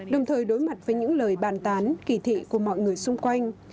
đồng thời đối mặt với những lời bàn tán kỳ thị của mọi người xung quanh